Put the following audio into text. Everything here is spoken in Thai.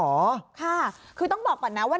ก็แดกที่มีอย่างบอกว่าในโพสต์ของคุณหมอ